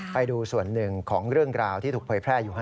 ไปดูส่วนหนึ่งของเรื่องราวที่ถูกเผยแพร่อยู่